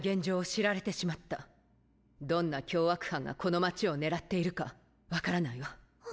どんな凶悪犯がこの街を狙っているか分からないわ。